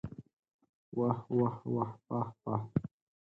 واه واه واه پاه پاه!